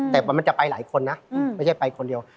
แต่มันจะไปหลายคนนะไม่ใช่ไปคนเดียว